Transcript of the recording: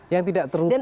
yang tidak terhubung